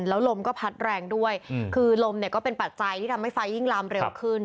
แล้วลมก็พัดแรงด้วยคือลมเนี่ยก็เป็นปัจจัยที่ทำให้ไฟยิ่งลามเร็วขึ้น